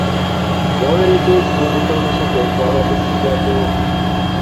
Yaweereddwa ekitundu ky'olusuku ekyabadde kisigaddewo.